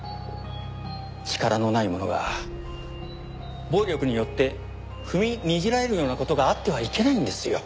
力のない者が暴力によって踏みにじられるような事があってはいけないんですよ。